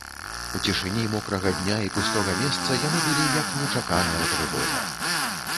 У цішыні мокрага дня і пустога месца яны былі як нечаканая трывога.